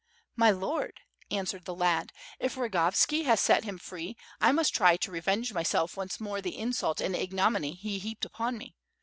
"My Lord/* answered the lad, "if Rogovski has set him free, I must try to revenge myself once more the insult and ignominy he heaped upon me.